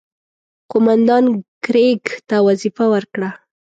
قوماندان کرېګ ته وظیفه ورکړه.